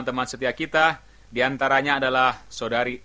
yesus mau datang segera